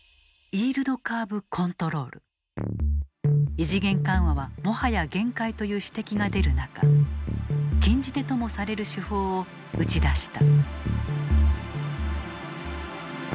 異次元緩和はもはや限界という指摘が出る中禁じ手ともされる手法を打ち出した。